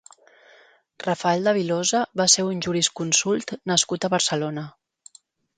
Rafael de Vilosa va ser un jurisconsult nascut a Barcelona.